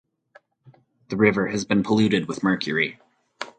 The river has been polluted with mercury.